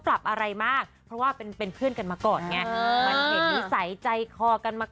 อ่ะไปฟังเสียงจ้า